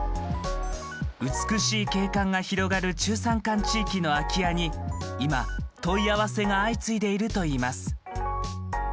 美しい景観が広がる中山間地域の空き家に今問い合わせが相次いでいるといいます。